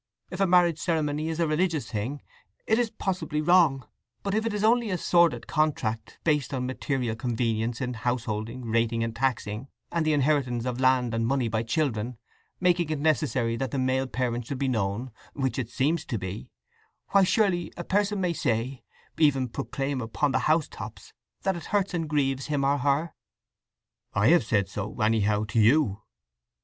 If a marriage ceremony is a religious thing, it is possibly wrong; but if it is only a sordid contract, based on material convenience in householding, rating, and taxing, and the inheritance of land and money by children, making it necessary that the male parent should be known—which it seems to be—why surely a person may say, even proclaim upon the housetops, that it hurts and grieves him or her?" "I have said so, anyhow, to you."